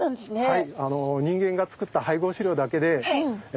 はい。